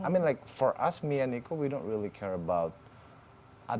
maksud gue gue dan niko kita tidak peduli tentang